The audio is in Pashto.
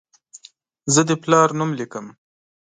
زه د پلار نوم لیکم.